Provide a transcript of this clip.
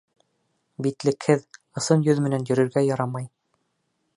Битлекһеҙ, ысын йөҙ менән йөрөргә ярамай.